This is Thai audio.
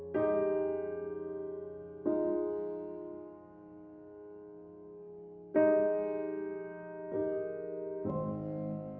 ขอบคุณทุกคนที่ช่วยด้วย